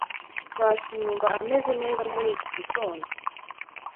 Pacy yumva ameze neza muri iki gitondo.